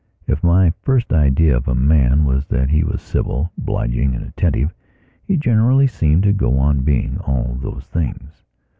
If my first idea of a man was that he was civil, obliging, and attentive, he generally seemed to go on being all those things.